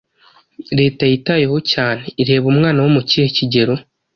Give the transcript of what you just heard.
Leta yitayeho cyane ireba umwana wo mu kihe kigero?